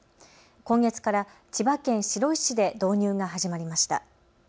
今月から千葉県白井市で導入が始まりました。